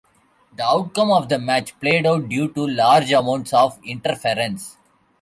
The outcome of the match played out due to large amounts of interference.